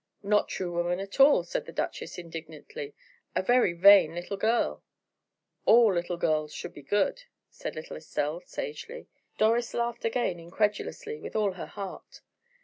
"Not true woman at all," said the duchess, indignantly, "a very vain little girl." "All little girls should be good," said Lady Estelle, sagely. Doris laughed again incredulously, with all her heart.